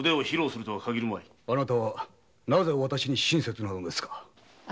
あなたはなぜ私に親切なのですか？